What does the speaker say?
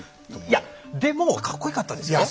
いやでもかっこよかったですよ。